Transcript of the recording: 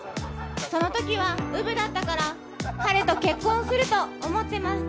そのときはウブだったから彼と結婚すると思ってました。